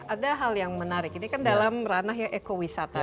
ada hal yang menarik ini kan dalam ranah ya ekowisata